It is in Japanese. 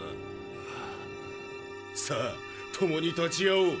さあ共に立ち会おう。